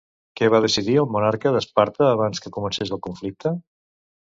Què va decidir el monarca d'Esparta abans que comencés el conflicte?